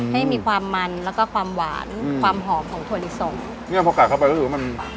ให้มีความมันแล้วก็ความหวานความหอมของถั่วลิสงเนี้ยพอกัดเข้าไปรู้สึกว่ามัน